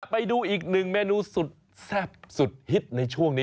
ไปดูอีกหนึ่งเมนูสุดแซ่บสุดฮิตในช่วงนี้